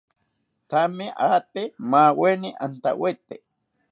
Thame ate maweni antawete